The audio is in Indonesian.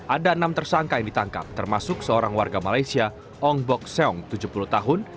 ada enam tersangka yang ditangkap termasuk seorang warga malaysia ong bok seong tujuh puluh tahun